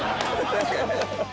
確かにね。